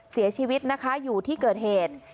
เสียชีวิตนะคะอยู่ที่เกิดเหตุ